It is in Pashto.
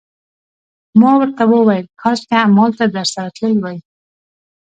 ما ورته وویل: کاشکي همالته درسره تللی وای.